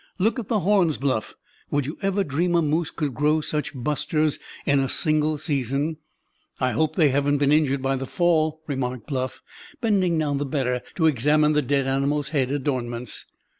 Look at the horns, Bluff; would you ever dream a moose could grow such busters in a single season?" "I hope they haven't been injured by the fall," remarked Bluff, bending down the better to examine the dead animal's head adornments.